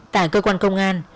tại cơ quan công an